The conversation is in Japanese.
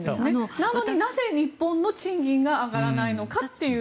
なのに、なぜ日本の賃金が上がらないのかという。